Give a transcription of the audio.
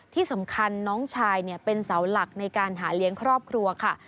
ที่สำคัญน้องชายเป็นเสาหลักในการหาเลี้ยงครอบครัวค่ะ